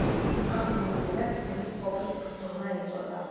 ამ მოვლენას „ბრიტპოპის ბრძოლა“ ეწოდა.